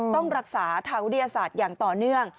ต้องรักษาทางวิทยาศาสตร์อย่างต่อเนื่อง